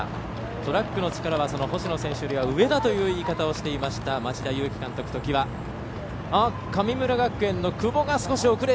トラックの力は星野選手よりも上だという上だという言い方をしていた町田勇樹監督、町田。